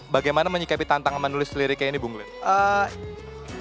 bagaimana menyikapi tantangan menulis liriknya ini bung glen